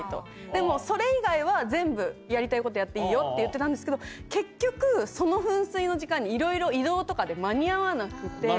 でもそれ以外は全部やりたいことやっていいよって言ってたんですけど結局その噴水の時間にいろいろ移動とかで間に合わなくって。